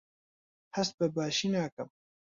هەست بەباشی ناکەم.